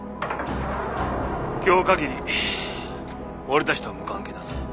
今日限り俺たちとは無関係だぞ。